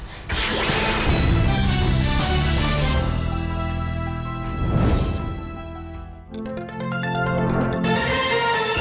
โปรดติดตามตอนต่อไป